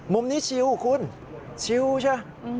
มุมนี้ชิลคุณชิลใช่